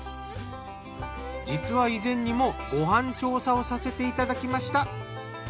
実は以前にもご飯調査をさせていただきました。